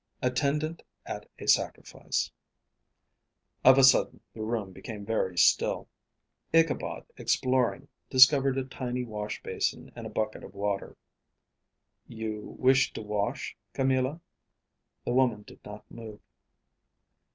"Attendant at a sacrifice." Of a sudden the room became very still. Ichabod, exploring, discovered a tiny wash basin and a bucket of water. "You wished to wash, Camilla?" The woman did not move.